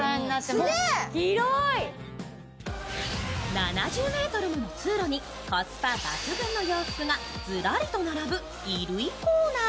７０ｍもの通路にコスパ抜群の洋服がズラリと並ぶ衣類コーナー。